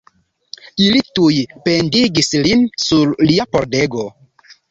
Ili tuj pendigis lin sur lia pordego.